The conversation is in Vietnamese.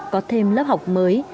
có thêm lớp học mới